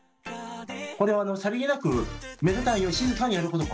これはさりげなく目立たないよう静かにやること。